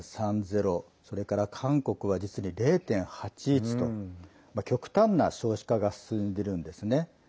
それから韓国は実に０．８１と極端な少子化が進んでいるんですね。